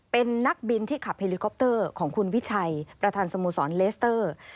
เป็นนักบินที่ขับเฮลิคอปเตอร์ของคุณวิชัยประธานสโมสรเลสเตอร์